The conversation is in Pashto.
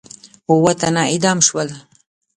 اووه تنه اعدام شول.